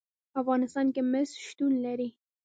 په افغانستان کې مس شتون لري.